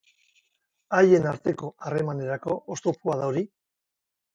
Haien arteko harremanerako oztopoa da hori?